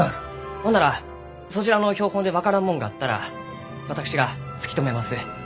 ほんならそちらの標本で分からんもんがあったら私が突き止めます。